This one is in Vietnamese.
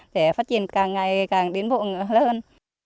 để phát triển càng ngày càng đến bộ lớn